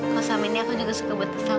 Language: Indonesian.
kau samainnya aku juga suka buat kesal kamu ya